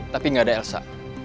tapi gak ada elsa